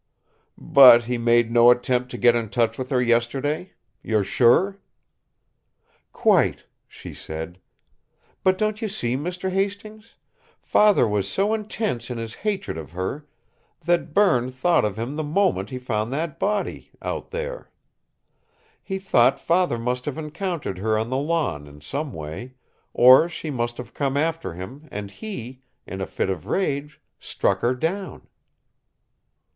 "But he made no attempt to get in touch with her yesterday? You're sure?" "Quite," she said. "But don't you see. Mr. Hastings? Father was so intense in his hatred of her that Berne thought of him the moment he found that body out there. He thought father must have encountered her on the lawn in some way, or she must have come after him, and he, in a fit of rage, struck her down."